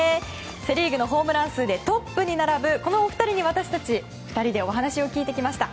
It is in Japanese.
セ・リーグのホームラン数でトップに並ぶこのお二人に私たち２人でお話を聞いてきました。